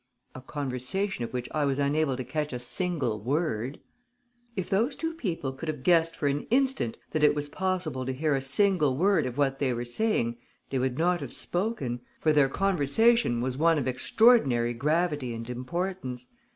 "A conversation of which I was unable to catch a single word." "If those two people could have guessed for an instant that it was possible to hear a single word of what they were saying, they would not have spoken, for their conversation was one of extraordinary gravity and importance.